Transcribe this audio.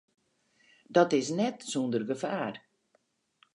Dat is net sûnder gefaar.